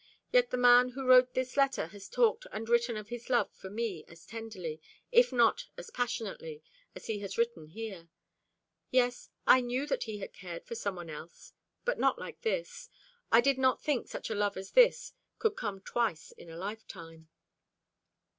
"Yet the man who wrote this letter has talked and written of his love for me as tenderly, if not as passionately, as he has written here. Yes, I knew that he had cared for some one else, but not like this. I did not think such a love as this could come twice in a lifetime."